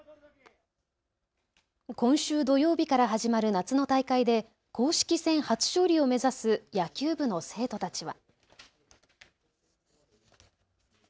今週土曜日から始まる夏の大会で公式戦初勝利を目指す野球部の生徒たちは。